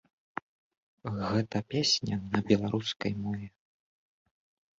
Гэта песня на беларускай мове.